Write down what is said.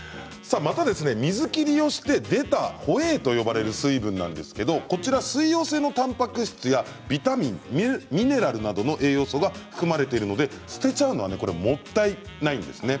水切りをして出たホエーと呼ばれる成分なんですが水溶性のたんぱく質やビタミン、ミネラルなどの栄養素が含まれるので捨てちゃうのはもったいないんですね。